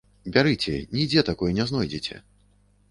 Бярыце, нідзе такой не знойдзеце.